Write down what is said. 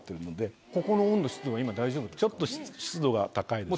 ここの温度湿度は今大丈夫ですか？